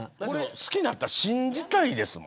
好きになったら信じたいですもん。